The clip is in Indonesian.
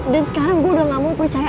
dan sekarang gue udah nggak mau percaya